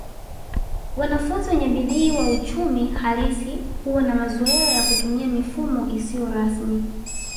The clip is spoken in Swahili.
Wanafunzi wenye bidii wa uchumi halisi huwa na mazoea ya kutumia mifumo isiyo rasmi